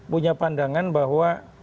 punya pandangan bahwa